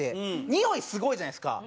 においすごいじゃないですか。